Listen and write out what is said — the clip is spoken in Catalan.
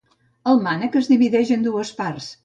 El mànec es divideix en dues parts.